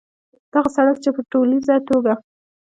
دغه سړک چې په ټولیزه توګه